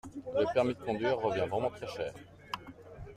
Le permis de conduire revient vraiment très cher.